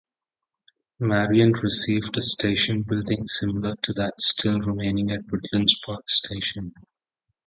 Marion received a station building similar to that still remaining at Woodlands Park station.